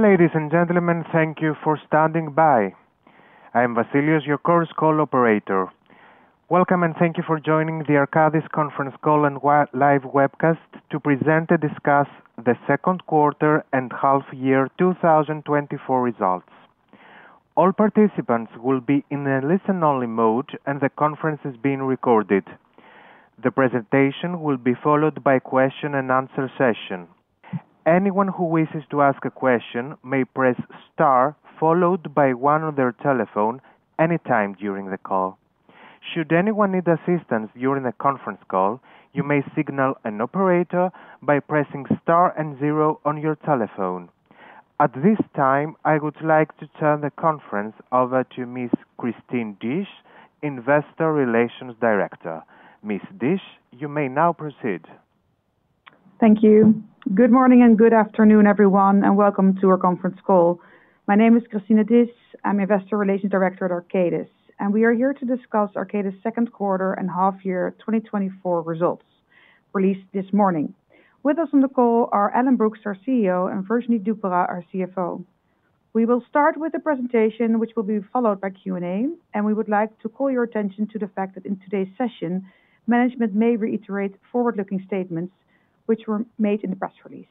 Ladies and gentlemen, thank you for standing by. I am Vasilios, your Chorus Call operator. Welcome, and thank you for joining the Arcadis conference call and live webcast to present and discuss the second quarter and half year 2024 results. All participants will be in a listen-only mode, and the conference is being recorded. The presentation will be followed by question-and-answer session. Anyone who wishes to ask a question may press star, followed by one on their telephone anytime during the call. Should anyone need assistance during the conference call, you may signal an operator by pressing star and zero on your telephone. At this time, I would like to turn the conference over to Ms. Christine Disch, Investor Relations Director. Ms. Disch, you may now proceed. Thank you. Good morning and good afternoon, everyone, and welcome to our conference call. My name is Christine Disch. I'm Investor Relations Director at Arcadis, and we are here to discuss Arcadis second quarter and half year 2024 results, released this morning. With us on the call are Alan Brookes, our CEO, and Virginie Dupérat-Vergne, our CFO. We will start with a presentation which will be followed by Q&A, and we would like to call your attention to the fact that in today's session, management may reiterate forward-looking statements which were made in the press release.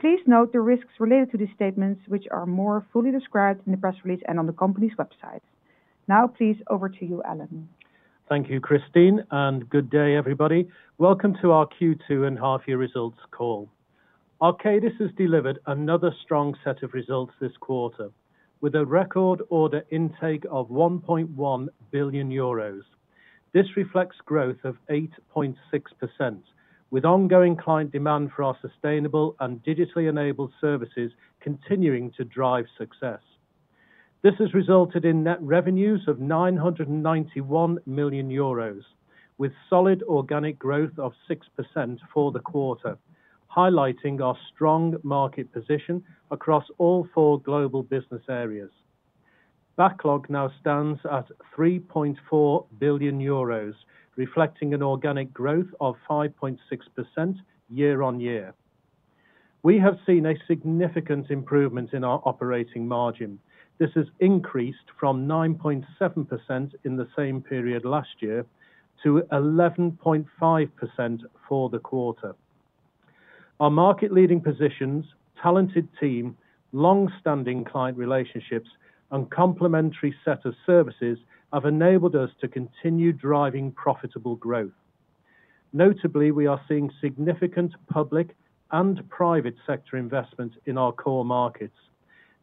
Please note the risks related to these statements, which are more fully described in the press release and on the company's website. Now, please, over to you, Alan. Thank you, Christine, and good day, everybody. Welcome to our Q2 and half year results call. Arcadis has delivered another strong set of results this quarter, with a record order intake of 1.1 billion euros. This reflects growth of 8.6%, with ongoing client demand for our sustainable and digitally-enabled services continuing to drive success. This has resulted in net revenues of 991 million euros, with solid organic growth of 6% for the quarter, highlighting our strong market position across all four Global Business areas. Backlog now stands at 3.4 billion euros, reflecting an organic growth of 5.6% year-on-year. We have seen a significant improvement in our operating margin. This has increased from 9.7% in the same period last year to 11.5% for the quarter. Our market-leading positions, talented team, long-standing client relationships, and complementary set of services have enabled us to continue driving profitable growth. Notably, we are seeing significant public and private sector investment in our core markets.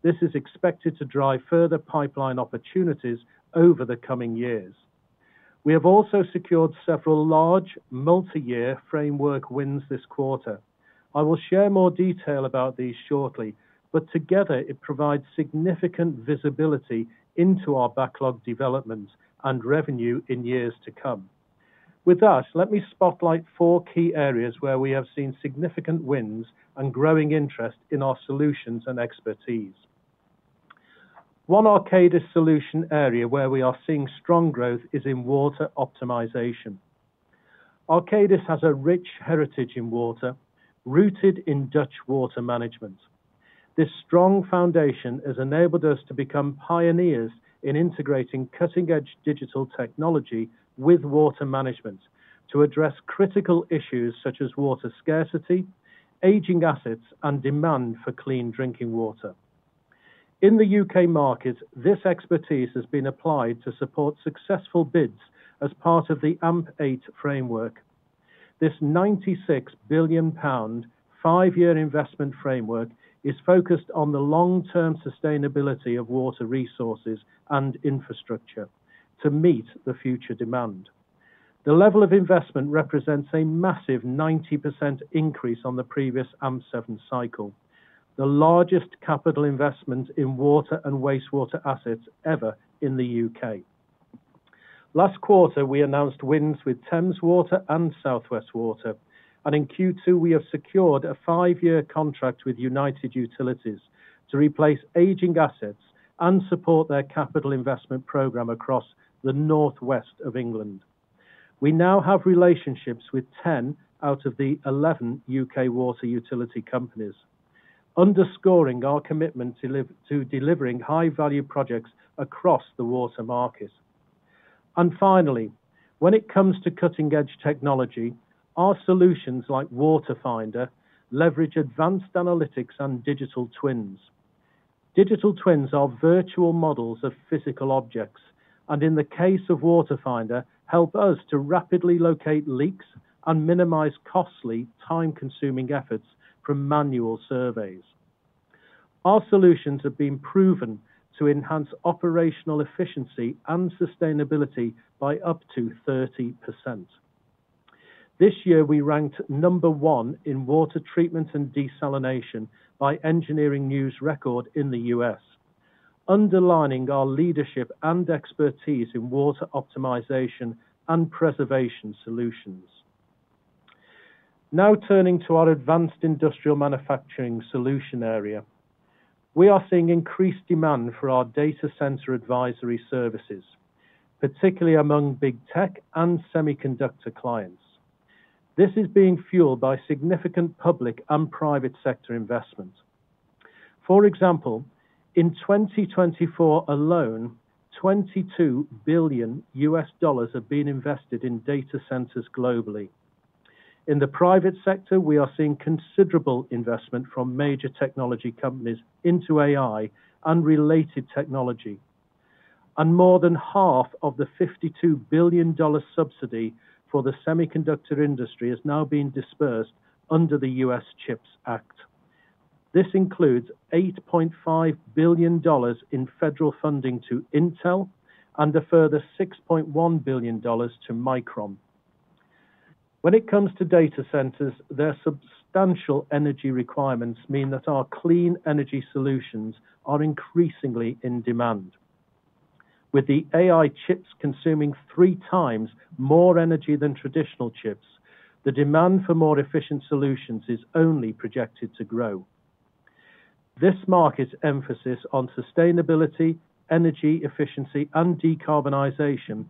This is expected to drive further pipeline opportunities over the coming years. We have also secured several large multi-year framework wins this quarter. I will share more detail about these shortly, but together, it provides significant visibility into our backlog development and revenue in years to come. With that, let me spotlight four key areas where we have seen significant wins and growing interest in our solutions and expertise. One Arcadis solution area where we are seeing strong growth is in water optimization. Arcadis has a rich heritage in water, rooted in Dutch water management. This strong foundation has enabled us to become pioneers in integrating cutting-edge digital technology with water management to address critical issues such as water scarcity, aging assets, and demand for clean drinking water. In the U.K. market, this expertise has been applied to support successful bids as part of the AMP8 framework. This 96 billion pound, five-year investment framework is focused on the long-term sustainability of water resources and infrastructure to meet the future demand. The level of investment represents a massive 90% increase on the previous AMP7 cycle, the largest capital investment in water and wastewater assets ever in the U.K. Last quarter, we announced wins with Thames Water and South West Water, and in Q2, we have secured a five-year contract with United Utilities to replace aging assets and support their capital investment program across the northwest of England. We now have relationships with 10 out of the 11 U.K. water utility companies, underscoring our commitment to delivering high-value projects across the water market. And finally, when it comes to cutting-edge technology, our solutions, like Water Finder, leverage advanced analytics and digital twins. Digital twins are virtual models of physical objects, and in the case of Water Finder, help us to rapidly locate leaks and minimize costly, time-consuming efforts from manual surveys. Our solutions have been proven to enhance operational efficiency and sustainability by up to 30%. This year, we ranked number one in water treatment and desalination by Engineering News-Record in the U.S., underlining our leadership and expertise in water optimization and preservation solutions. Now, turning to our advanced industrial manufacturing solution area, we are seeing increased demand for our data center advisory services, particularly among big tech and semiconductor clients.... This is being fueled by significant public and private sector investment. For example, in 2024 alone, $22 billion have been invested in data centers globally. In the private sector, we are seeing considerable investment from major technology companies into AI and related technology. More than half of the $52 billion subsidy for the semiconductor industry is now being dispersed under the U.S. CHIPS Act. This includes $8.5 billion in federal funding to Intel and a further $6.1 billion to Micron. When it comes to data centers, their substantial energy requirements mean that our clean energy solutions are increasingly in demand. With the AI chips consuming 3x more energy than traditional chips, the demand for more efficient solutions is only projected to grow. This market's emphasis on sustainability, energy efficiency, and decarbonization,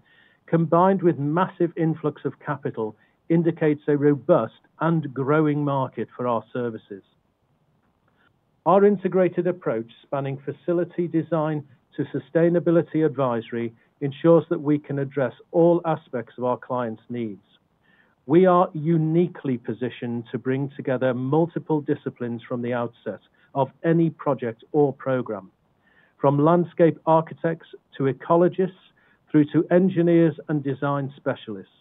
combined with massive influx of capital, indicates a robust and growing market for our services. Our integrated approach, spanning facility design to sustainability advisory, ensures that we can address all aspects of our clients' needs. We are uniquely-positioned to bring together multiple disciplines from the outset of any project or program, from landscape architects to ecologists, through to engineers and design specialists.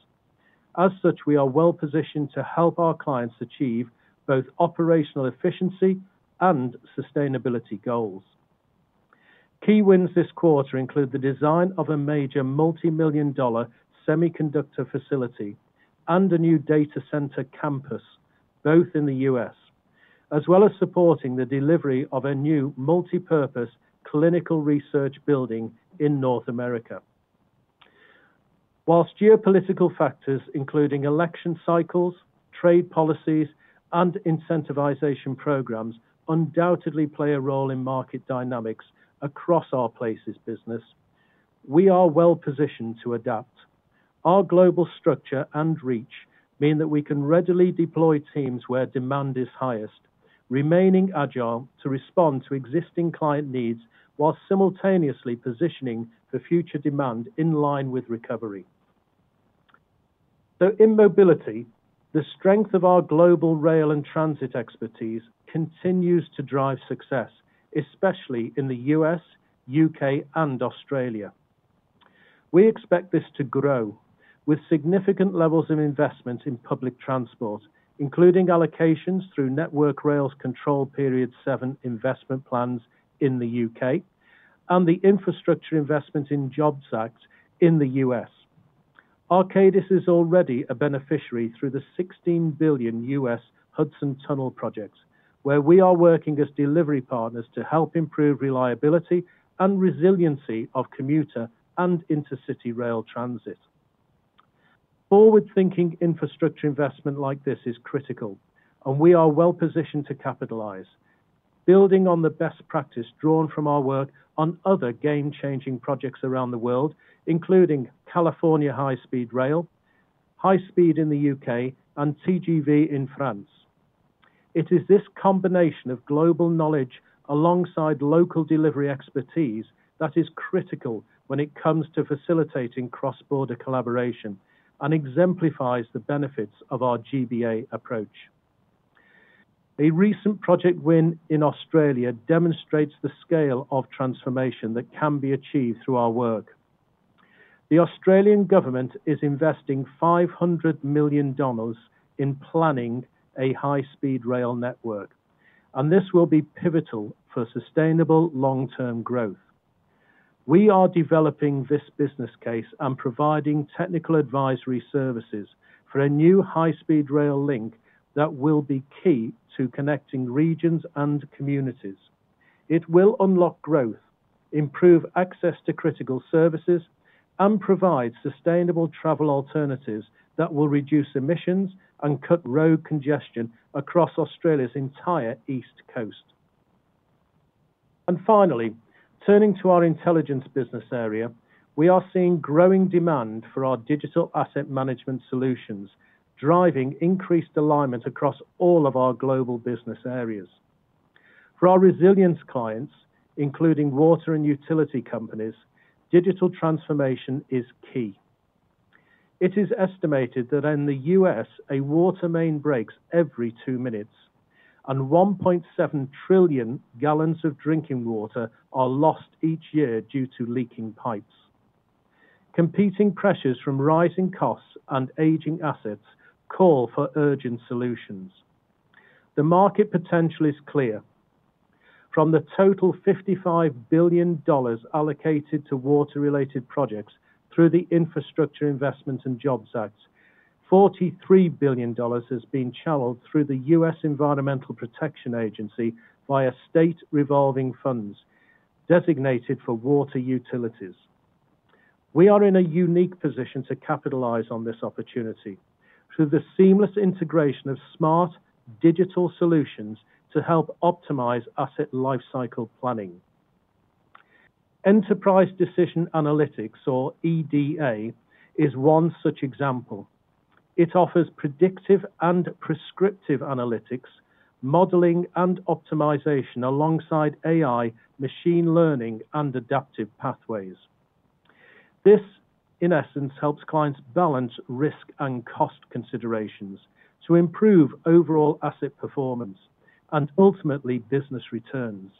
As such, we are well-positioned to help our clients achieve both operational efficiency and sustainability goals. Key wins this quarter include the design of a major multimillion-dollar semiconductor facility and a new data center campus, both in the U.S., as well as supporting the delivery of a new multipurpose clinical research building in North America. While geopolitical factors, including election cycles, trade policies, and incentivization programs, undoubtedly play a role in market dynamics across our Places business, we are well-positioned to adapt. Our global structure and reach mean that we can readily deploy teams where demand is highest, remaining agile to respond to existing client needs, while simultaneously positioning for future demand in line with recovery. So in Mobility, the strength of our global rail and transit expertise continues to drive success, especially in the U.S., U.K., and Australia. We expect this to grow with significant levels of investment in public transport, including allocations through Network Rail's Control Period Seven investment plans in the U.K. and the Infrastructure Investment and Jobs Act in the U.S. Arcadis is already a beneficiary through the $16 billion U.S. Hudson River Tunnels projects, where we are working as delivery partners to help improve reliability and resiliency of commuter and intercity rail transit. Forward-thinking infrastructure investment like this is critical, and we are well-positioned to capitalize, building on the best practice drawn from our work on other game-changing projects around the world, including California High-Speed Rail, high-speed in the U.K., and TGV in France. It is this combination of global knowledge alongside local delivery expertise that is critical when it comes to facilitating cross-border collaboration and exemplifies the benefits of our GBA approach. A recent project win in Australia demonstrates the scale of transformation that can be achieved through our work. The Australian government is investing 500 million dollars in planning a high-speed rail network, and this will be pivotal for sustainable long-term growth. We are developing this business case and providing technical advisory services for a new high-speed rail link that will be key to connecting regions and communities. It will unlock growth, improve access to critical services, and provide sustainable travel alternatives that will reduce emissions and cut road congestion across Australia's entire East Coast. Finally, turning to our Intelligence business area, we are seeing growing demand for our digital asset management solutions, driving increased alignment across all of our Global Business Areas. For our Resilience clients, including water and utility companies, digital transformation is key. It is estimated that in the U.S., a water main breaks every two minutes, and 1.7 trillion gallons of drinking water are lost each year due to leaking pipes. Competing pressures from rising costs and aging assets call for urgent solutions. The market potential is clear. From the total $55 billion allocated to water-related projects through the Infrastructure Investment and Jobs Act, $43 billion has been channeled through the U.S. Environmental Protection Agency via state revolving funds designated for water utilities. We are in a unique position to capitalize on this opportunity through the seamless integration of smart digital solutions to help optimize asset lifecycle planning. Enterprise Decision Analytics, or EDA, is one such example. It offers predictive and prescriptive analytics, modeling, and optimization alongside AI, machine learning, and adaptive pathways. This, in essence, helps clients balance risk and cost considerations to improve overall asset performance and ultimately business returns.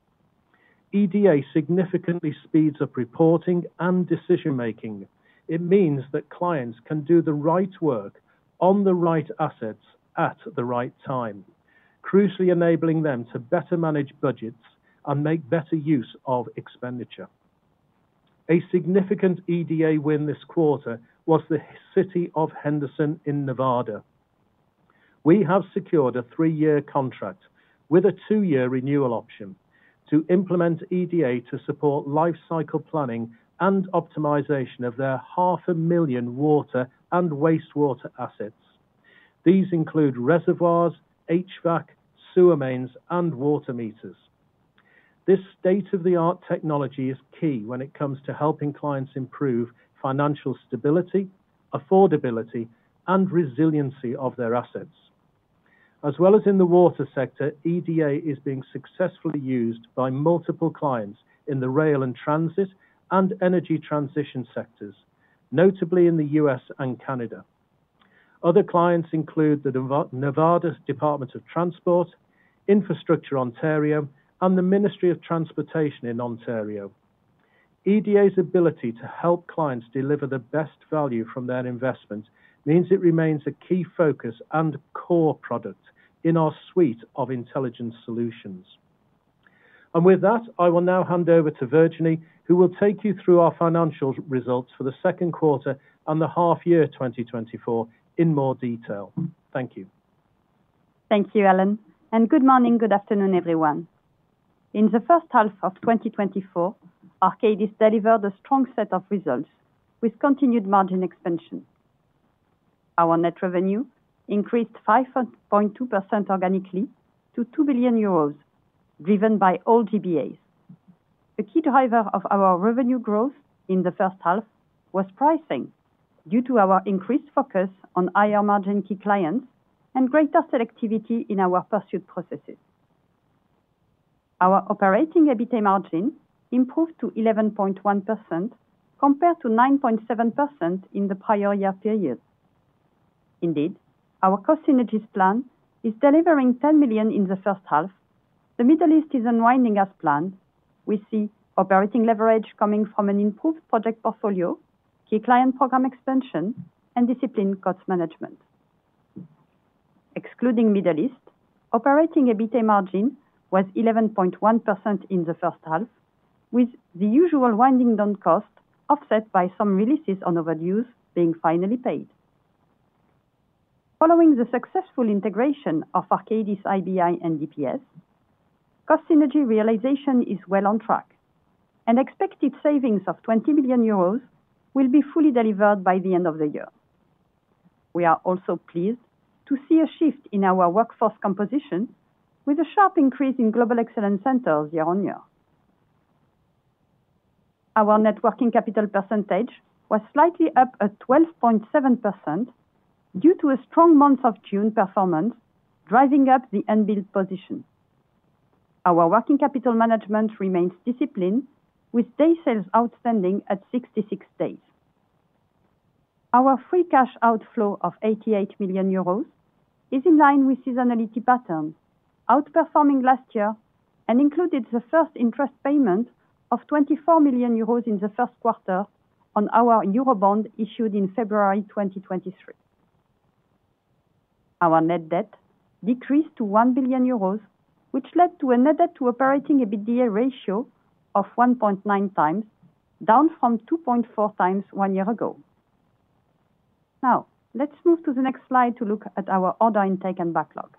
EDA significantly speeds up reporting and decision-making. It means that clients can do the right work on the right assets at the right time, crucially enabling them to better manage budgets and make better use of expenditure. A significant EDA win this quarter was the City of Henderson in Nevada. We have secured a three-year contract with a two-year renewal option to implement EDA to support life cycle planning and optimization of their 500,000 water and wastewater assets. These include reservoirs, HVAC, sewer mains, and water meters. This state-of-the-art technology is key when it comes to helping clients improve financial stability, affordability, and resiliency of their assets. As well as in the water sector, EDA is being successfully used by multiple clients in the rail and transit and energy transition sectors, notably in the U.S. and Canada. Other clients include Nevada's Department of Transportation, Infrastructure Ontario, and the Ministry of Transportation in Ontario. EDA's ability to help clients deliver the best value from their investment, means it remains a key focus and core product in our suite of intelligence solutions. With that, I will now hand over to Virginie, who will take you through our financial results for the second quarter and the half year 2024 in more detail. Thank you. Thank you, Alan, and good morning, good afternoon, everyone. In the first half of 2024, Arcadis delivered a strong set of results with continued margin expansion. Our net revenue increased 5.2% organically to 2 billion euros, driven by all GBAs. The key driver of our revenue growth in the first half was pricing, due to our increased focus on higher margin key clients and greater selectivity in our pursuit processes. Our operating EBITDA margin improved to 11.1%, compared to 9.7% in the prior year period. Indeed, our cost synergies plan is delivering 10 million in the first half. The Middle East is unwinding as planned. We see operating leverage coming from an improved project portfolio, key client program expansion, and disciplined cost management. Excluding Middle East, operating EBITDA margin was 11.1% in the first half, with the usual winding down cost offset by some releases on overdues being finally paid. Following the successful integration of Arcadis, IBI and DPS, cost synergy realization is well on track, and expected savings of 20 million euros will be fully delivered by the end of the year. We are also pleased to see a shift in our workforce composition, with a sharp increase in Global Excellence Centers year-on-year. Our net working capital percentage was slightly up at 12.7% due to a strong month of June performance, driving up the unbilled position. Our working capital management remains disciplined, with Day Sales Outstanding at 66 days. Our free cash outflow of 88 million euros is in line with seasonality patterns, outperforming last year, and included the first interest payment of 24 million euros in the first quarter on our euro bond, issued in February 2023. Our net debt decreased to 1 billion euros, which led to a net debt to Operating EBITA ratio of 1.9x, down from 2.4x 1 year ago. Now, let's move to the next slide to look at our order intake and backlog.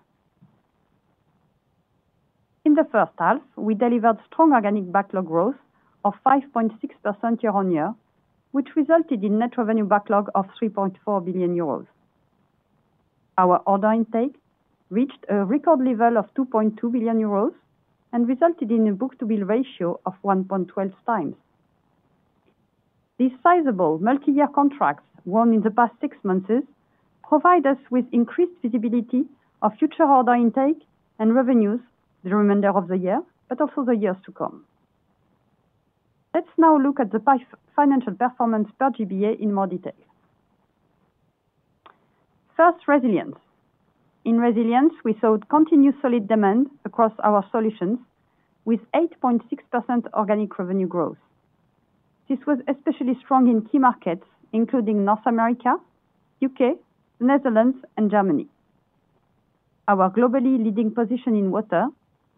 In the first half, we delivered strong organic backlog growth of 5.6% year-on-year, which resulted in net revenue backlog of 3.4 billion euros. Our order intake reached a record level of 2.2 billion euros and resulted in a book-to-bill ratio of 1.12x. These sizable multi-year contracts, won in the past six months, provide us with increased visibility of future order intake and revenues the remainder of the year, but also the years to come. Let's now look at the financial performance per GBA in more detail. First, Resilience. In Resilience, we saw continued solid demand across our solutions, with 8.6% organic revenue growth. This was especially strong in key markets, including North America, U.K., Netherlands, and Germany. Our globally leading position in water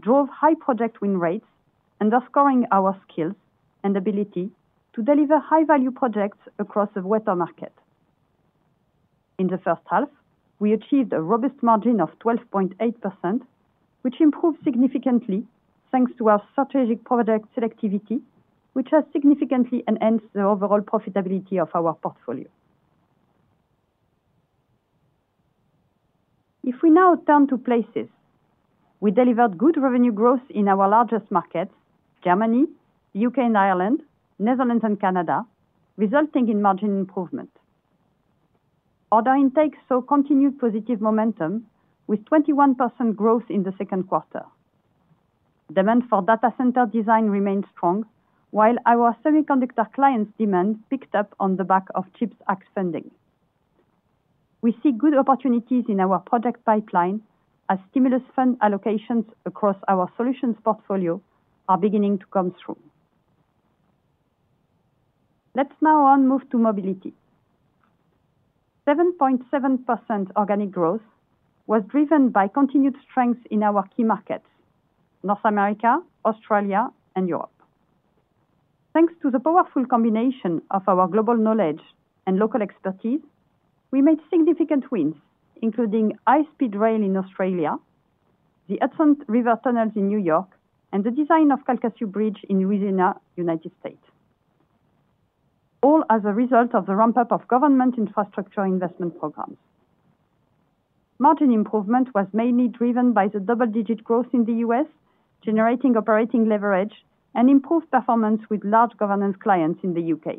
drove high project win rates, underscoring our skills and ability to deliver high-value projects across the water market. In the first half, we achieved a robust margin of 12.8%, which improved significantly, thanks to our strategic product selectivity, which has significantly enhanced the overall profitability of our portfolio.... If we now turn to Places, we delivered good revenue growth in our largest markets, Germany, U.K. and Ireland, Netherlands and Canada, resulting in margin improvement. Order intake saw continued positive momentum, with 21% growth in the second quarter. Demand for data center design remained strong, while our semiconductor clients' demand picked up on the back of CHIPS Act funding. We see good opportunities in our project pipeline as stimulus fund allocations across our solutions portfolio are beginning to come through. Let's now move on to mobility. 7.7% organic growth was driven by continued strength in our key markets, North America, Australia, and Europe. Thanks to the powerful combination of our global knowledge and local expertise, we made significant wins, including high-speed rail in Australia, the Hudson River Tunnels in New York, and the design of Calcasieu Bridge in Louisiana, United States, all as a result of the ramp-up of government infrastructure investment programs. Margin improvement was mainly driven by the double-digit growth in the U.S., generating operating leverage and improved performance with large government clients in the U.K.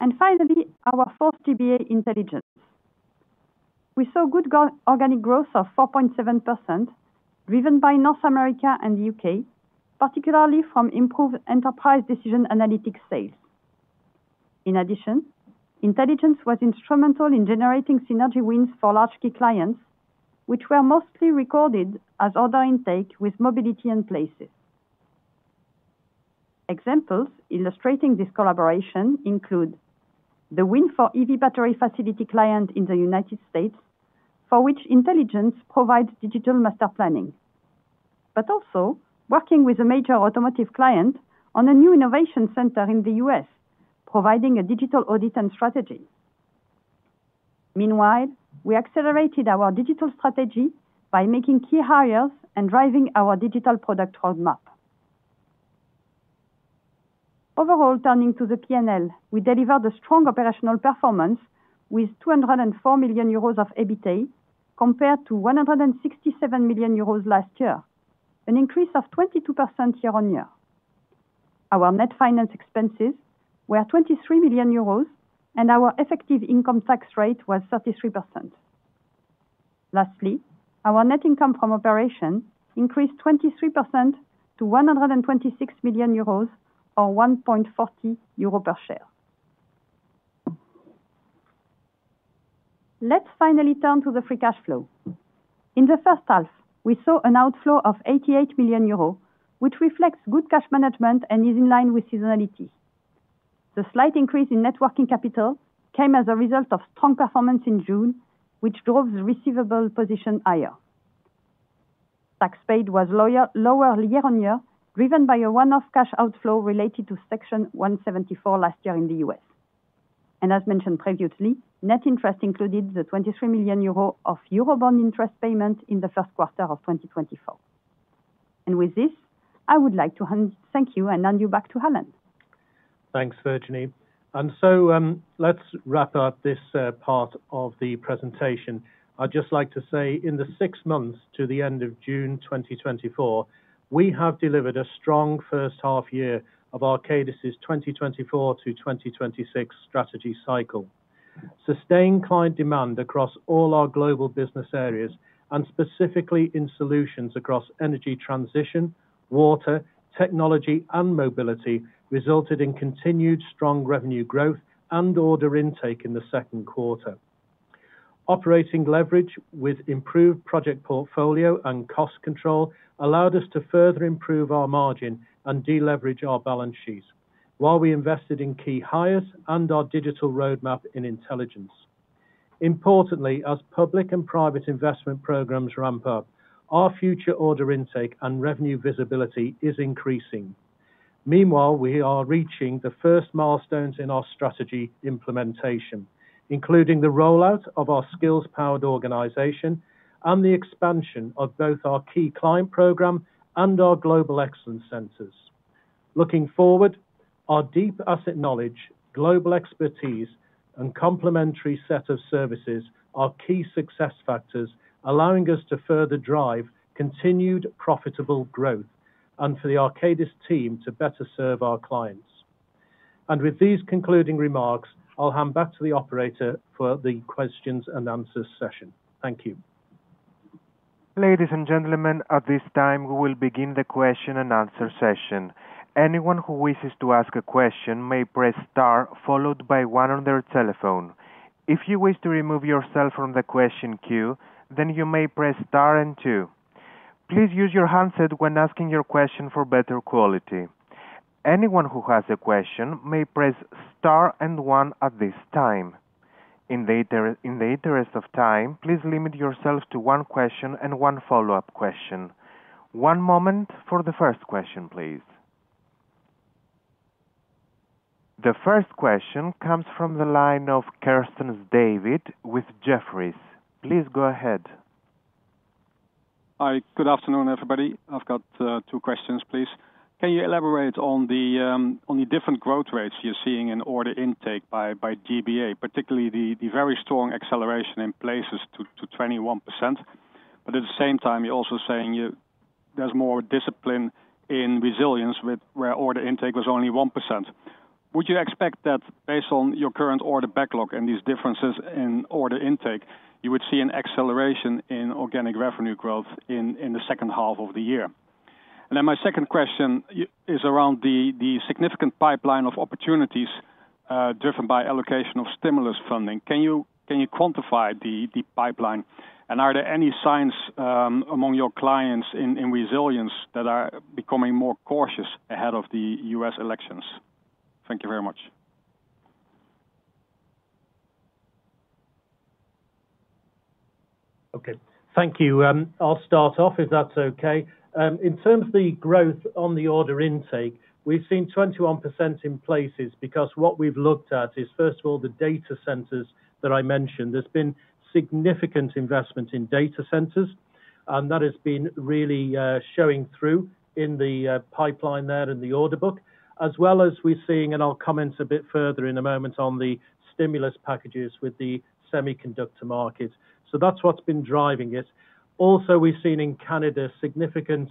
And finally, our fourth GBA, intelligence. We saw good organic growth of 4.7%, driven by North America and the U.K., particularly from improved Enterprise Decision Analytics sales. In addition, intelligence was instrumental in generating synergy wins for large key clients, which were mostly recorded as order intake with mobility and places. Examples illustrating this collaboration include the win for EV battery facility client in the United States, for which intelligence provides digital master planning, but also working with a major automotive client on a new innovation center in the U.S., providing a digital audit and strategy. Meanwhile, we accelerated our digital strategy by making key hires and driving our digital product roadmap. Overall, turning to the P&L, we delivered a strong operational performance with 204 million euros of EBITA, compared to 167 million euros last year, an increase of 22% year-on-year. Our net finance expenses were 23 million euros, and our effective income tax rate was 33%. Lastly, our net income from operation increased 23% to 126 million euros, or 1.40 euro per share. Let's finally turn to the free cash flow. In the first half, we saw an outflow of 88 million euros, which reflects good cash management and is in line with seasonality. The slight increase in net working capital came as a result of strong performance in June, which drove the receivable position higher. Tax paid was lower, lower year-on-year, driven by a one-off cash outflow related to Section 174 last year in the U.S. And as mentioned previously, net interest included the 23 million of euro bond interest payment in the first quarter of 2024. And with this, I would like to thank you and hand you back to Alan. Thanks, Virginie. And so, let's wrap up this part of the presentation. I'd just like to say, in the six months to the end of June 2024, we have delivered a strong first half year of Arcadis's 2024 to 2026 strategy cycle. Sustained client demand across all our Global Business areas, and specifically in solutions across energy transition, water, technology, and mobility, resulted in continued strong revenue growth and order intake in the second quarter. Operating leverage with improved project portfolio and cost control allowed us to further improve our margin and deleverage our balance sheets, while we invested in key hires and our digital roadmap in intelligence. Importantly, as public and private investment programs ramp up, our future order intake and revenue visibility is increasing. Meanwhile, we are reaching the first milestones in our strategy implementation, including the rollout of our Skills-Powered Organization and the expansion of both our key client program and our Global Excellence Centers. Looking forward, our deep asset knowledge, global expertise, and complementary set of services are key success factors, allowing us to further drive continued profitable growth and for the Arcadis team to better serve our clients. With these concluding remarks, I'll hand back to the operator for the questions and answers session. Thank you. Ladies and gentlemen, at this time, we will begin the question and answer session. Anyone who wishes to ask a question may press star, followed by one on their telephone. If you wish to remove yourself from the question queue, then you may press star and two. Please use your handset when asking your question for better quality. Anyone who has a question may press star and one at this time. In the interest of time, please limit yourselves to one question and one follow-up question. One moment for the first question, please. The first question comes from the line of David Kerstens with Jefferies. Please go ahead. Hi, good afternoon, everybody. I've got two questions, please. Can you elaborate on the different growth rates you're seeing in order intake by GBA, particularly the very strong acceleration in Places to 21%? But at the same time, you're also saying there's more discipline in Resilience with where order intake was only 1%. Would you expect that based on your current order backlog and these differences in order intake, you would see an acceleration in organic revenue growth in the second half of the year? And then my second question is around the significant pipeline of opportunities driven by allocation of stimulus funding. Can you quantify the pipeline? And are there any signs among your clients in Resilience that are becoming more cautious ahead of the U.S. elections? Thank you very much. Okay. Thank you. I'll start off, if that's okay. In terms of the growth on the order intake, we've seen 21% in Places, because what we've looked at is, first of all, the data centers that I mentioned. There's been significant investment in data centers, and that has been really showing through in the pipeline there in the order book, as well as we're seeing, and I'll comment a bit further in a moment on the stimulus packages with the semiconductor market. So that's what's been driving it. Also, we've seen in Canada, significant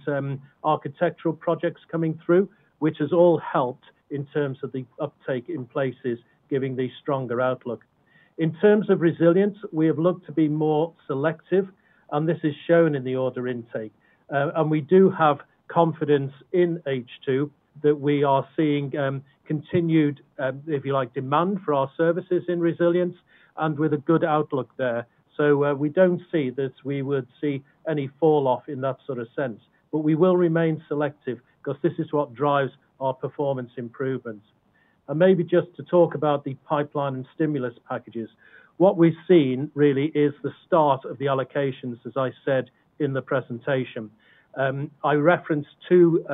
architectural projects coming through, which has all helped in terms of the uptake in Places, giving the stronger outlook. In terms of resilience, we have looked to be more selective, and this is shown in the order intake. And we do have confidence in H2, that we are seeing continued, if you like, demand for our services in Resilience and with a good outlook there. So, we don't see that we would see any falloff in that sort of sense, but we will remain selective because this is what drives our performance improvements. And maybe just to talk about the pipeline and stimulus packages. What we've seen really is the start of the allocations, as I said in the presentation. I referenced two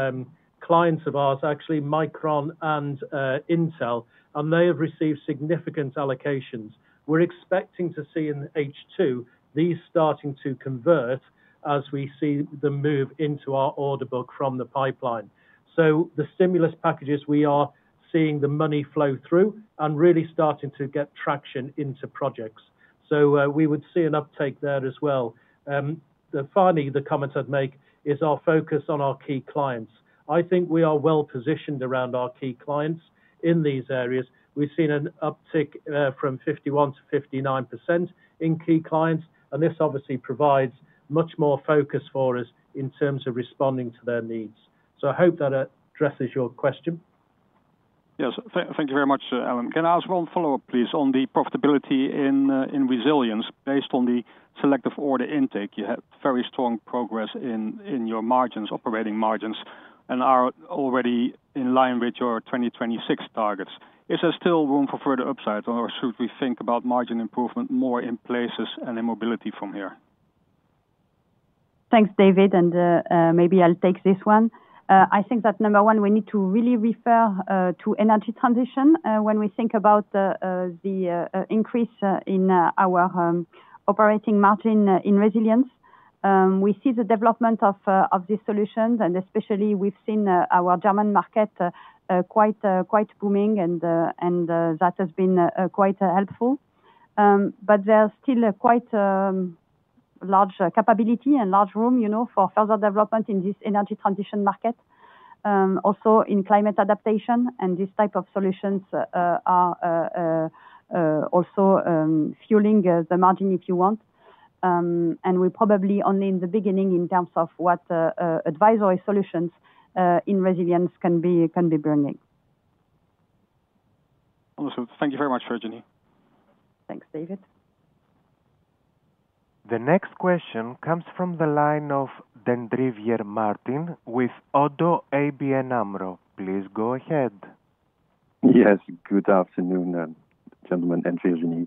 clients of ours, actually, Micron and Intel, and they have received significant allocations. We're expecting to see in H2, these starting to convert as we see them move into our order book from the pipeline. So the stimulus packages, we are seeing the money flow through and really starting to get traction into projects. So, we would see an uptake there as well. Then finally, the comment I'd make is our focus on our key clients. I think we are well-positioned around our key clients in these areas. We've seen an uptick, from 51%-59% in key clients, and this obviously provides much more focus for us in terms of responding to their needs. So I hope that addresses your question. Yes. Thank you very much, Alan. Can I ask one follow-up, please, on the profitability in Resilience? Based on the selective order intake, you had very strong progress in, in your margins, operating margins, and are already in line with your 2026 targets. Is there still room for further upside, or should we think about margin improvement more in Places and in Mobility from here? Thanks, David, and maybe I'll take this one. I think that number one, we need to really refer to energy transition when we think about the increase in our operating margin in Resilience. We see the development of these solutions, and especially we've seen our German market quite booming, and that has been quite helpful. But there are still quite large capability and large room, you know, for further development in this energy transition market. Also in climate adaptation, and these type of solutions are also fueling the margin, if you want. And we're probably only in the beginning in terms of what advisory solutions in Resilience can be bringing. Awesome. Thank you very much, Virginie. Thanks, David. The next question comes from the line of Martijn den Drijver with Oddo ABN AMRO. Please go ahead. Yes, good afternoon, gentlemen, and Virginie.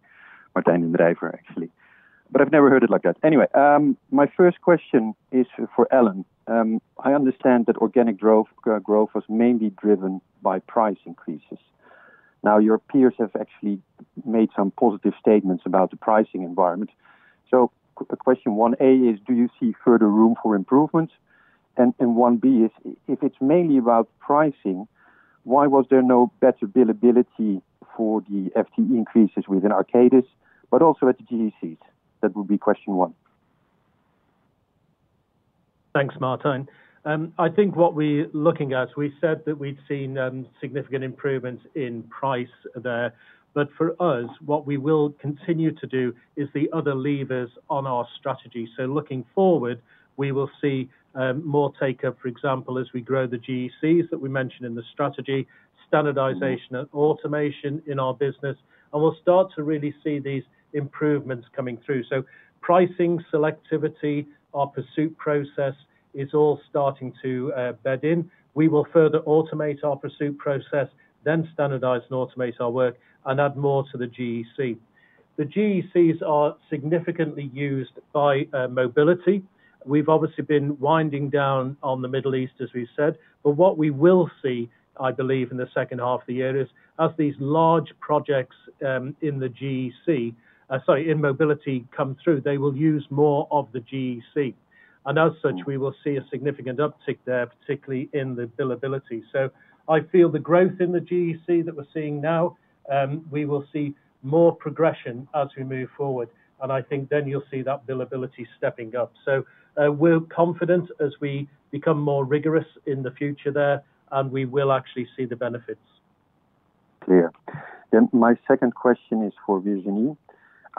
Martijn den Drijver, actually, but I've never heard it like that. Anyway, my first question is for Alan. I understand that organic growth, growth was mainly driven by price increases. Now, your peers have actually made some positive statements about the pricing environment. So question 1A, is do you see further room for improvement? And 1B, if it's mainly about pricing, why was there no better billability for the FTE increases within Arcadis, but also at the GECs? That would be question one. Thanks, Martijn. I think what we're looking at, we said that we'd seen, significant improvements in price there. But for us, what we will continue to do is the other levers on our strategy. So looking forward, we will see, more take-up, for example, as we grow the GECs that we mentioned in the strategy, standardization and automation in our business, and we'll start to really see these improvements coming through. So pricing, selectivity, our pursuit process is all starting to, bed in. We will further automate our pursuit process, then standardize and automate our work and add more to the GEC. The GECs are significantly used by, mobility. We've obviously been winding down on the Middle East, as we've said, but what we will see, I believe, in the second half of the year is, as these large projects in mobility come through, they will use more of the GEC, and as such, we will see a significant uptick there, particularly in the billability. So I feel the growth in the GEC that we're seeing now, we will see more progression as we move forward, and I think then you'll see that billability stepping up. So, we're confident as we become more rigorous in the future there, and we will actually see the benefits. Clear. Then my second question is for Virginie.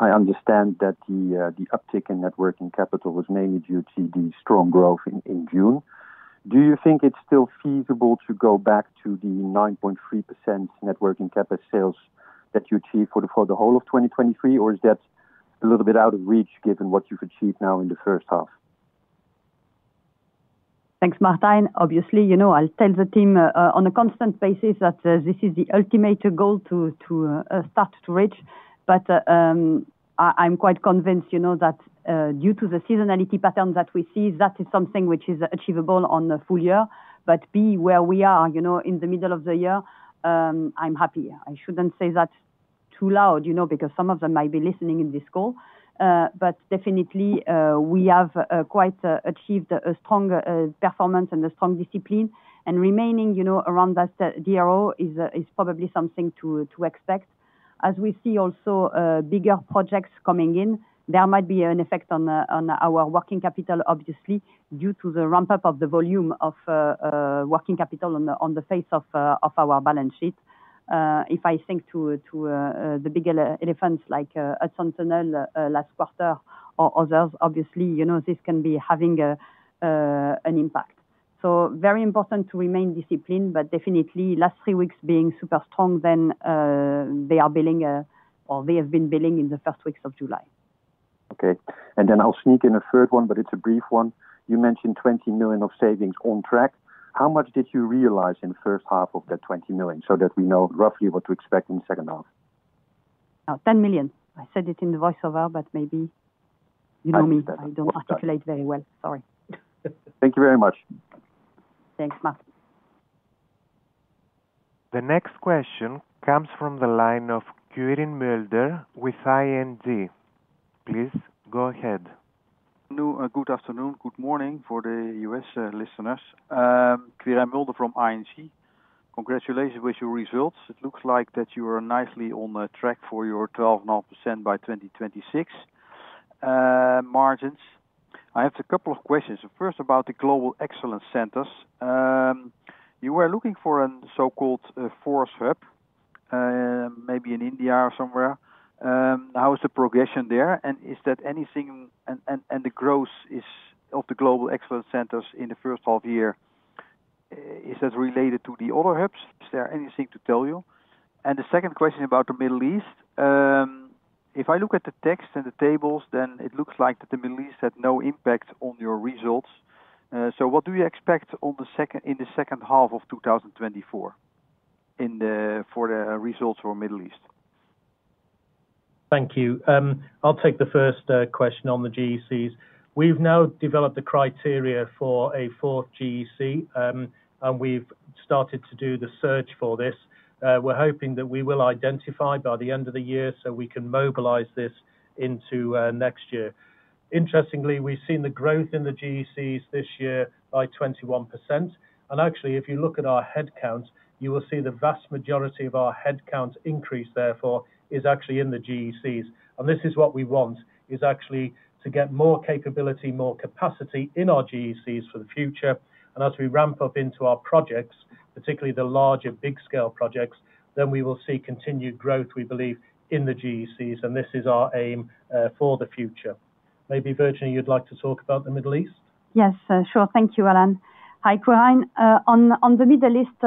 I understand that the uptick in net working capital was mainly due to the strong growth in June. Do you think it's still feasible to go back to the 9.3% net working capital sales that you achieved for the whole of 2023? Or is that a little bit out of reach, given what you've achieved now in the first half? Thanks, Martijn. Obviously, you know, I'll tell the team on a constant basis that this is the ultimate goal to start to reach. But, I'm quite convinced, you know, that due to the seasonality pattern that we see, that is something which is achievable on the full year, but be where we are, you know, in the middle of the year, I'm happy. I shouldn't say that too loud, you know, because some of them might be listening in this call. But definitely, we have quite achieved a strong performance and a strong discipline. And remaining, you know, around that DRO is probably something to expect. As we see also, bigger projects coming in, there might be an effect on our working capital, obviously, due to the ramp up of the volume of working capital on the face of our balance sheet. If I think to the bigger elephants, like at Sentinel last quarter or others, obviously, you know, this can be having an impact. So very important to remain disciplined, but definitely last three weeks being super strong then they are billing or they have been billing in the first weeks of July. Okay. And then I'll sneak in a third one, but it's a brief one. You mentioned 20 million of savings on track. How much did you realize in the first half of that 20 million, so that we know roughly what to expect in the second half? 10 million. I said it in the voiceover, but maybe you know me, I don't articulate very well. Sorry. Thank you very much. Thanks, Martijn. The next question comes from the line of Quirijn Mulder with ING. Please go ahead. Hello, good afternoon. Good morning for the U.S. listeners. Quirijn Mulder from ING. Congratulations with your results. It looks like that you are nicely on the track for your 12.5% by 2026, margins. I have a couple of questions. First, about the Global Excellence Centers. You were looking for a so-called, fourth hub, maybe in India or somewhere. How is the progression there? And is that anything and the growth is of the Global Excellence Centers in the first half year, is that related to the other hubs? Is there anything to tell you? And the second question about the Middle East. If I look at the text and the tables, then it looks like that the Middle East had no impact on your results. So what do you expect in the second half of 2024 for the results for Middle East? Thank you. I'll take the first question on the GECs. We've now developed the criteria for a fourth GEC, and we've started to do the search for this. We're hoping that we will identify by the end of the year, so we can mobilize this into next year. Interestingly, we've seen the growth in the GECs this year by 21%. And actually, if you look at our headcounts, you will see the vast majority of our headcount increase, therefore, is actually in the GECs. And this is what we want, is actually to get more capability, more capacity in our GECs for the future. And as we ramp up into our projects, particularly the larger, big scale projects, then we will see continued growth, we believe, in the GECs, and this is our aim, for the future. Maybe, Virginie, you'd like to talk about the Middle East? Yes, sure. Thank you, Alan. Hi, Quirijn. On the Middle East,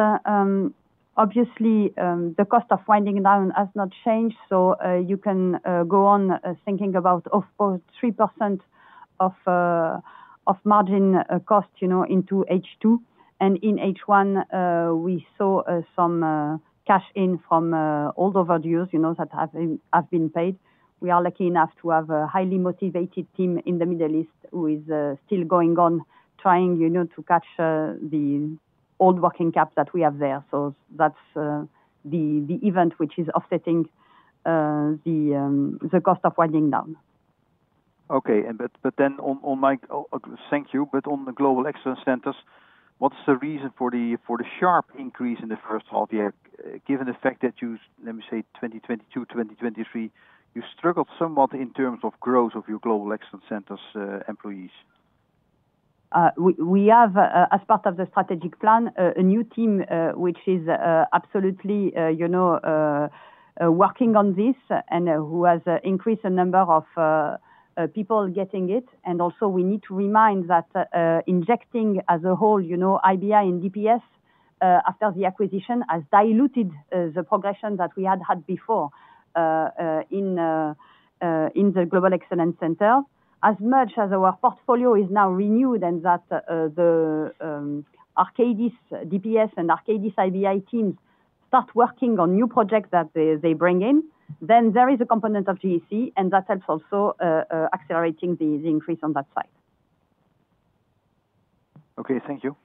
obviously, the cost of winding down has not changed, so you can go on thinking about, of course, 3% of margin cost, you know, into H2. And in H1, we saw some cash in from all the overdues, you know, that have been paid. We are lucky enough to have a highly motivated team in the Middle East, who is still going on, trying, you know, to catch the old working cap that we have there. So that's the event which is offsetting the cost of winding down. Okay. Thank you. But on the Global Excellence Centers, what's the reason for the sharp increase in the first half year, given the fact that you, let me say, 2022, 2023, you struggled somewhat in terms of growth of your Global Excellence Centers employees? We have, as part of the strategic plan, a new team which is absolutely, you know, working on this and who has increased the number of people getting it. And also, we need to remind that integrating as a whole, you know, IBI and DPS after the acquisition, has diluted the progression that we had had before in the Global Excellence Center. As much as our portfolio is now renewed and that the Arcadis DPS and Arcadis IBI teams start working on new projects that they bring in, then there is a component of GEC, and that helps also accelerating the increase on that side. Okay, thank you.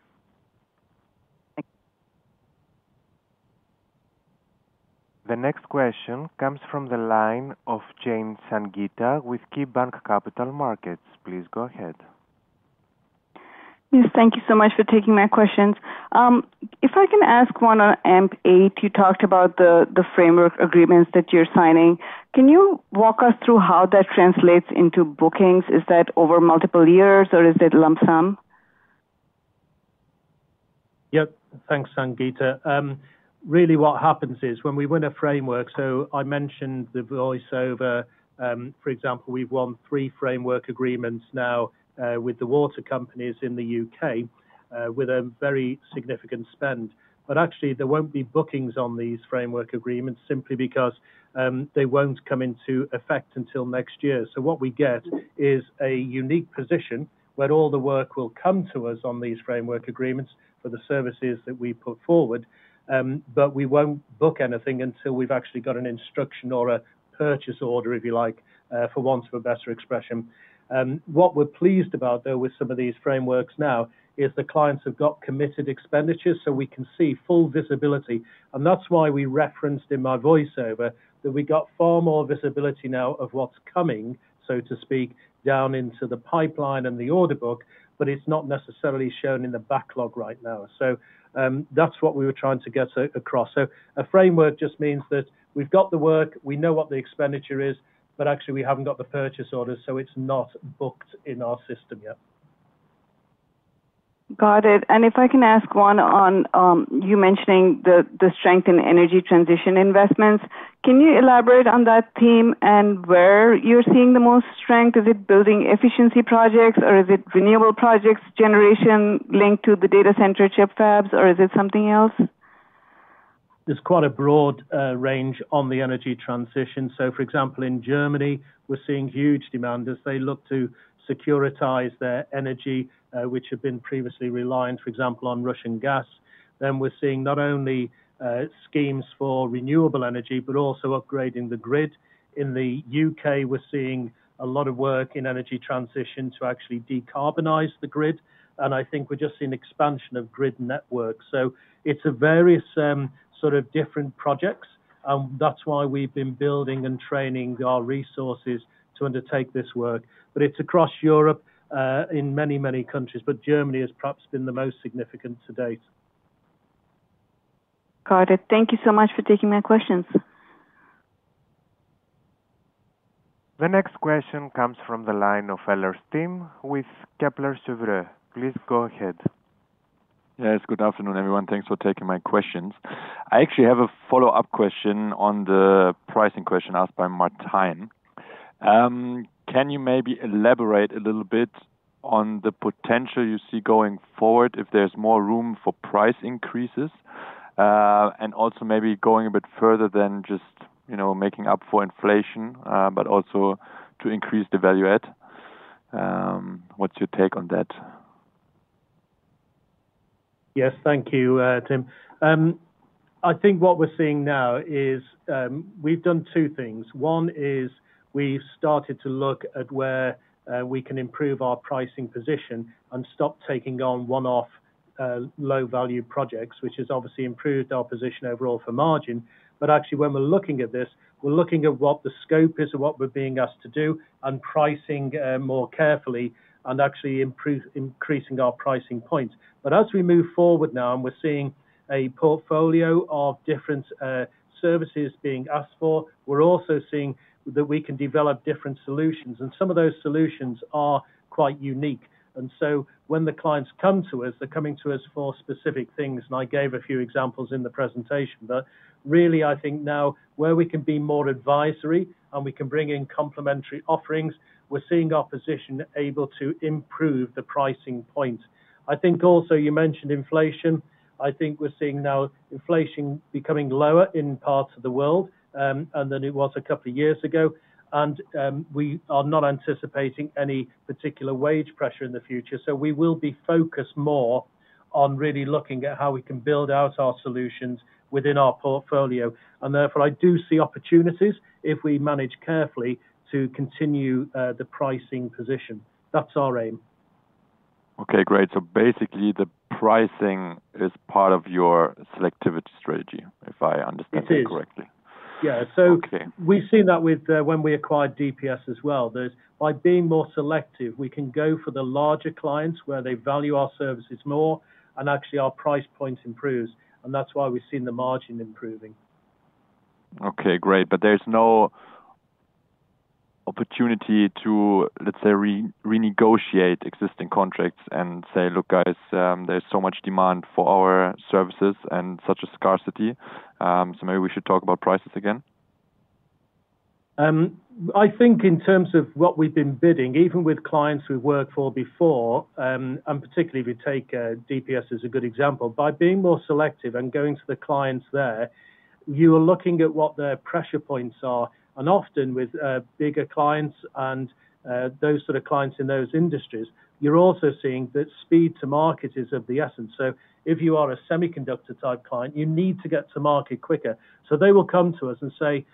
The next question comes from the line of Sangita Jain with KeyBanc Capital Markets. Please go ahead. Yes, thank you so much for taking my questions. If I can ask one on AMP8, you talked about the framework agreements that you're signing. Can you walk us through how that translates into bookings? Is that over multiple years, or is it lump sum? Yep. Thanks, Sangita. Really what happens is when we win a framework, so I mentioned the voice-over, for example, we've won three framework agreements now, with the water companies in the U.K., with a very significant spend. But actually, there won't be bookings on these framework agreements simply because they won't come into effect until next year. So what we get is a unique position where all the work will come to us on these framework agreements for the services that we put forward, but we won't book anything until we've actually got an instruction or a purchase order, if you like, for want of a better expression. What we're pleased about, though, with some of these frameworks now, is the clients have got committed expenditures, so we can see full visibility. That's why we referenced in my voice-over that we got far more visibility now of what's coming, so to speak, down into the pipeline and the order book, but it's not necessarily shown in the backlog right now. So, that's what we were trying to get across. So a framework just means that we've got the work, we know what the expenditure is, but actually we haven't got the purchase order, so it's not booked in our system yet. Got it. And if I can ask one on, you mentioning the strength in energy transition investments. Can you elaborate on that theme and where you're seeing the most strength? Is it building efficiency projects, or is it renewable projects, generation linked to the data center chip fabs, or is it something else? There's quite a broad range on the energy transition. So for example, in Germany, we're seeing huge demand as they look to securitize their energy, which had been previously reliant, for example, on Russian gas. Then we're seeing not only schemes for renewable energy, but also upgrading the grid. In the U.K., we're seeing a lot of work in energy transition to actually decarbonize the grid, and I think we're just seeing expansion of grid networks. So it's a various sort of different projects, and that's why we've been building and training our resources to undertake this work. But it's across Europe, in many, many countries, but Germany has perhaps been the most significant to date. Got it. Thank you so much for taking my questions. The next question comes from the line of Tim Ehlers with Kepler Cheuvreux. Please go ahead. Yes, good afternoon, everyone. Thanks for taking my questions. I actually have a follow-up question on the pricing question asked by Martijn. Can you maybe elaborate a little bit on the potential you see going forward, if there's more room for price increases? And also maybe going a bit further than just, you know, making up for inflation, but also to increase the value add. What's your take on that? Yes. Thank you, Tim. I think what we're seeing now is we've done two things. One is we've started to look at where we can improve our pricing position and stop taking on one-off low-value projects, which has obviously improved our position overall for margin. But actually, when we're looking at this, we're looking at what the scope is of what we're being asked to do and pricing more carefully and actually increasing our pricing points. But as we move forward now, and we're seeing a portfolio of different services being asked for, we're also seeing that we can develop different solutions, and some of those solutions are quite unique. And so when the clients come to us, they're coming to us for specific things, and I gave a few examples in the presentation. But really, I think now, where we can be more advisory and we can bring in complementary offerings, we're seeing our position able to improve the pricing point. I think also you mentioned inflation. I think we're seeing now inflation becoming lower in parts of the world than it was a couple of years ago, and we are not anticipating any particular wage pressure in the future. So we will be focused more on really looking at how we can build out our solutions within our portfolio. And therefore, I do see opportunities if we manage carefully to continue the pricing position. That's our aim. Okay, great. So basically, the pricing is part of your selectivity strategy, if I understand that correctly? It is. Yeah. Okay. We've seen that with when we acquired DPS as well. There's, by being more selective, we can go for the larger clients where they value our services more, and actually our price point improves, and that's why we've seen the margin improving. Okay, great. But there's no opportunity to, let's say, renegotiate existing contracts and say, "Look, guys, there's so much demand for our services and such a scarcity, so maybe we should talk about prices again? I think in terms of what we've been bidding, even with clients we've worked for before, and particularly if you take DPS as a good example, by being more selective and going to the clients there, you are looking at what their pressure points are. And often with bigger clients and those sort of clients in those industries, you're also seeing that speed to market is of the essence. So if you are a semiconductor-type client, you need to get to market quicker. So they will come to us and say,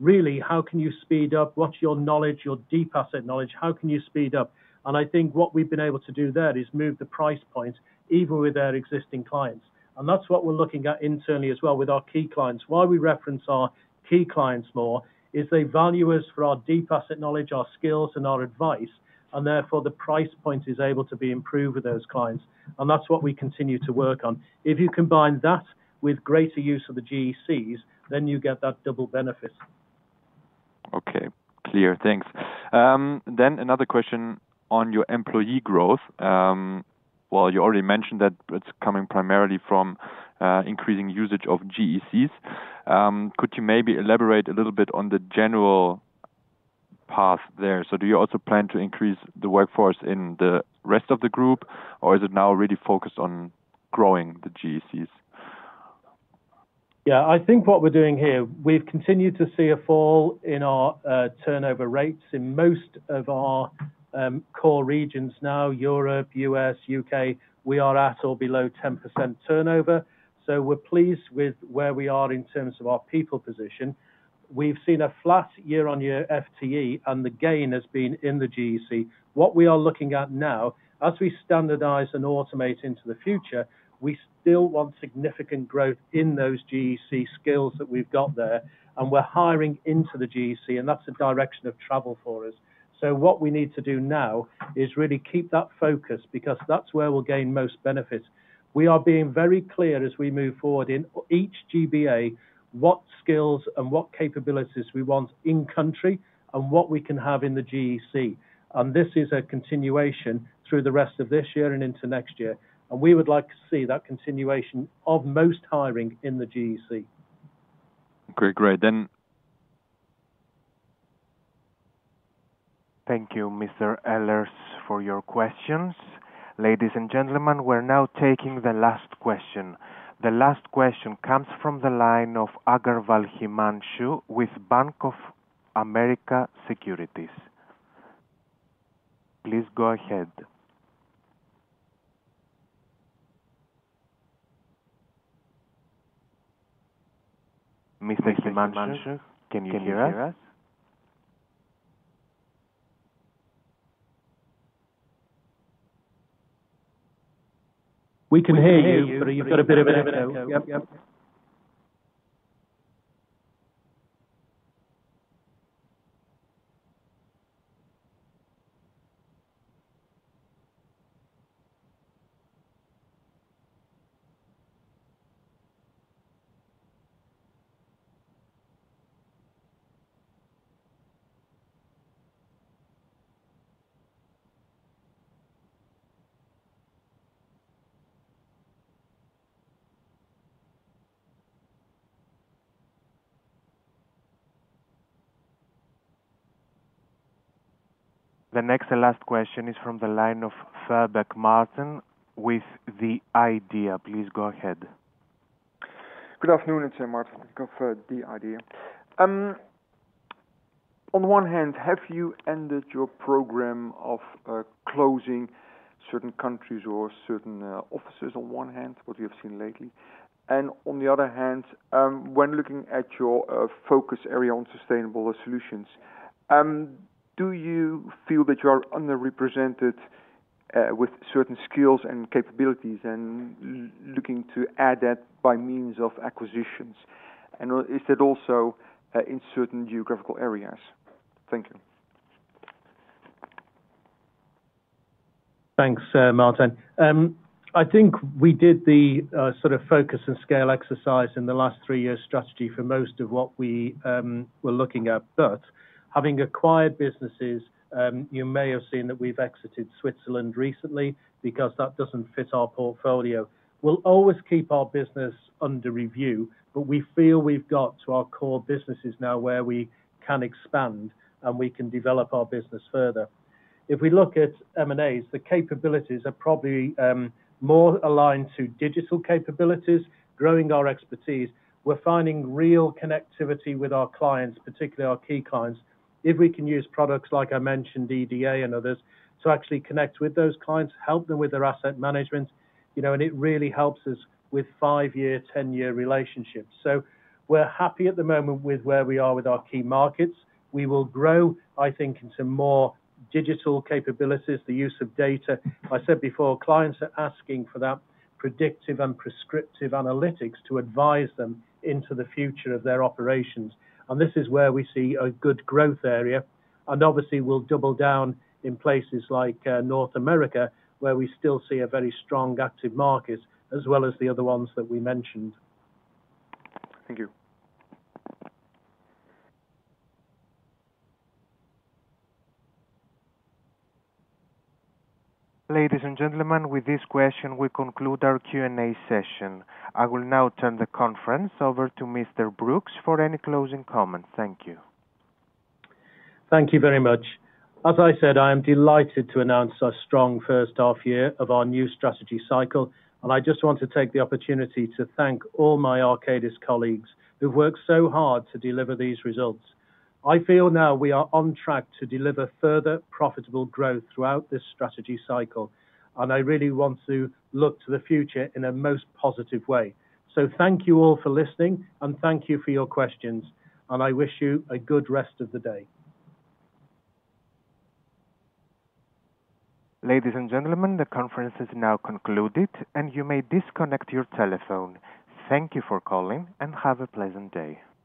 really, how can you speed up? What's your knowledge, your deep asset knowledge? How can you speed up? And I think what we've been able to do there is move the price point, even with our existing clients. And that's what we're looking at internally as well with our key clients. Why we reference our key clients more, is they value us for our deep asset knowledge, our skills, and our advice, and therefore, the price point is able to be improved with those clients, and that's what we continue to work on. If you combine that with greater use of the GECs, then you get that double benefit. Okay. Clear. Thanks. Then another question on your employee growth. Well, you already mentioned that it's coming primarily from increasing usage of GECs. Could you maybe elaborate a little bit on the general path there? So do you also plan to increase the workforce in the rest of the group, or is it now really focused on growing the GECs? Yeah, I think what we're doing here, we've continued to see a fall in our turnover rates in most of our core regions now, Europe, U.S., U.K., we are at or below 10% turnover. So we're pleased with where we are in terms of our people position. We've seen a flat year-on-year FTE, and the gain has been in the GEC. What we are looking at now, as we standardize and automate into the future, we still want significant growth in those GEC skills that we've got there, and we're hiring into the GEC, and that's the direction of travel for us. So what we need to do now is really keep that focus because that's where we'll gain most benefits. We are being very clear as we move forward in each GBA, what skills and what capabilities we want in country and what we can have in the GEC. This is a continuation through the rest of this year and into next year, and we would like to see that continuation of most hiring in the GEC. Great. Great, then. Thank you, Mr. Ehlers, for your questions. Ladies and gentlemen, we're now taking the last question. The last question comes from the line of Himanshu Agarwal with Bank of America Securities. Please go ahead. Mr. Himanshu, can you hear us? We can hear you, but you've got a bit of an echo. Yep. The next and last question is from the line of Maarten Verbeek with The Idea. Please go ahead. Good afternoon, it's Maarten of The Idea. On one hand, have you ended your program of closing certain countries or certain offices, on one hand, what we have seen lately? And on the other hand, when looking at your focus area on sustainable solutions, do you feel that you are underrepresented with certain skills and capabilities and looking to add that by means of acquisitions? And is it also in certain geographical areas? Thank you. Thanks, Martin. I think we did the sort of focus and scale exercise in the last three-year strategy for most of what we were looking at. But having acquired businesses, you may have seen that we've exited Switzerland recently because that doesn't fit our portfolio. We'll always keep our business under review, but we feel we've got to our core businesses now where we can expand, and we can develop our business further. If we look at M&As, the capabilities are probably more aligned to digital capabilities, growing our expertise. We're finding real connectivity with our clients, particularly our key clients. If we can use products like I mentioned, EDA and others, to actually connect with those clients, help them with their asset management, you know, and it really helps us with five-year, ten-year relationships. We're happy at the moment with where we are with our key markets. We will grow, I think, into more digital capabilities, the use of data. I said before, clients are asking for that predictive and prescriptive analytics to advise them into the future of their operations, and this is where we see a good growth area. Obviously, we'll double down in places like North America, where we still see a very strong active market, as well as the other ones that we mentioned. Thank you. Ladies and gentlemen, with this question, we conclude our Q&A session. I will now turn the conference over to Mr. Brookes for any closing comments. Thank you. Thank you very much. As I said, I am delighted to announce our strong first half year of our new strategy cycle, and I just want to take the opportunity to thank all my Arcadis colleagues, who worked so hard to deliver these results. I feel now we are on track to deliver further profitable growth throughout this strategy cycle, and I really want to look to the future in a most positive way. Thank you all for listening, and thank you for your questions, and I wish you a good rest of the day. Ladies and gentlemen, the conference is now concluded, and you may disconnect your telephone. Thank you for calling, and have a pleasant day.